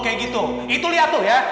kayak gitu itu lihat tuh ya